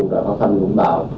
hóa thanh cũng bảo